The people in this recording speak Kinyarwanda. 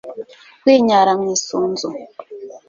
kwinyara mu isunzu